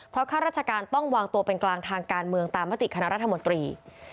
เพราะข้าราชการต้องวางตัวเป็นกลางทางการเมืองตามมติคณะรัฐมนตรี